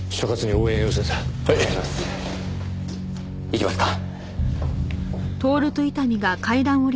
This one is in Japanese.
行きますか。